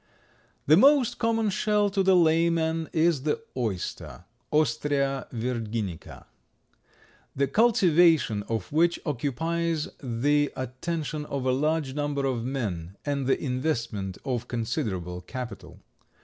The most common shell to the layman is the oyster (Ostrea virginica), the cultivation of which occupies the attention of a large number of men and the investment of considerable capital.